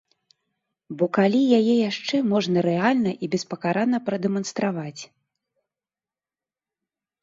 Бо калі яе яшчэ можна рэальна і беспакарана прадэманстраваць?